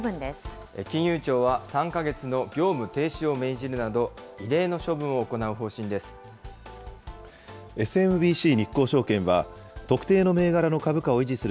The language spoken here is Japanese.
金融庁は３か月の業務停止を命じるなど、異例の処分を行う方針です。